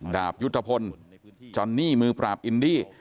ดาบยุทธพลจอนนี่มือปราบอินดี้